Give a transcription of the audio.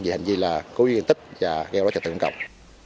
vì hình như là cố duyên tích và gây đối trợ tượng cộng